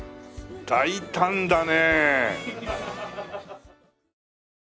大胆だね。